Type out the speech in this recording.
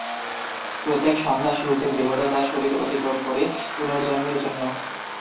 প্রত্যেক সন্ধ্যা, সূর্যের দেবতা তার শরীর অতিক্রম করে পুনর্জন্মের জন্য।